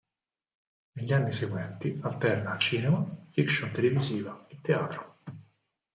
Negli anni seguenti alterna cinema, fiction televisiva e teatro.